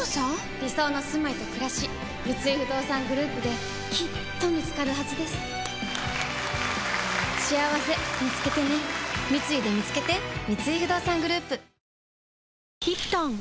理想のすまいとくらし三井不動産グループできっと見つかるはずですしあわせみつけてね三井でみつけてこんにちは。